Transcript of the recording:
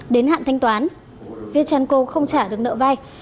đến hạn thanh toán viettranco không trả được nợ vai